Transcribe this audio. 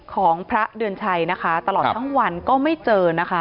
ของพระเดือนชัยตลอดทั้งวันก็ไม่เจอ